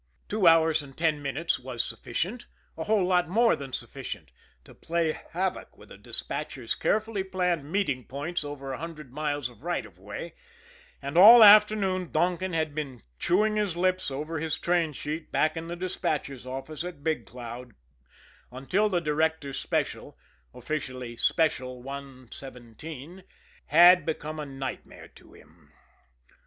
Two hours and ten minutes was sufficient, a whole lot more than sufficient, to play havoc with a despatcher's carefully planned meeting points over a hundred miles of right of way, and all afternoon Donkin had been chewing his lips over his train sheet back in the despatcher's office at Big Cloud, until the Directors' Special, officially Special 117, had become a nightmare to him.